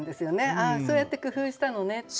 ああそうやって工夫したのねって。